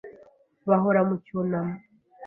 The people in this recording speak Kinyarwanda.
Bahora mu cyunamo